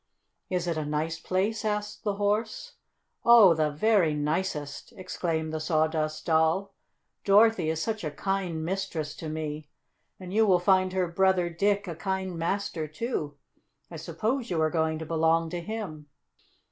"Is it a nice place?" asked the Horse. "Oh, the very nicest!" exclaimed the Sawdust Doll. "Dorothy is such a kind mistress to me. And you will find her brother Dick a kind master, too. I suppose you are going to belong to him."